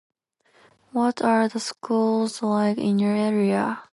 What are the schools like in your area?